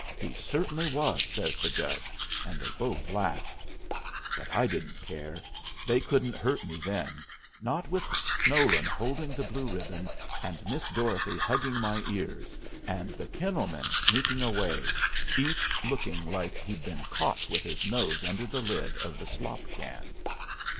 "He certainly was!" says the judge, and they both laughed. But I didn't care. They couldn't hurt me then, not with Nolan holding the blue ribbon and Miss Dorothy hugging my ears, and the kennel men sneaking away, each looking like he'd been caught with his nose under the lid of the slop can.